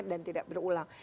dan tidak berulang